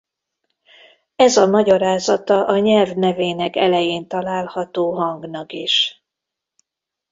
Ez a magyarázata a nyelv nevének elején található hangnak is.